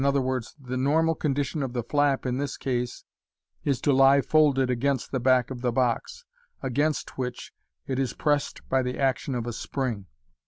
t the normal condition of the flap in this case is to lie folded against the back of the box, against which it is pressed by the action of a spring.